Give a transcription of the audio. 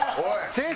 先生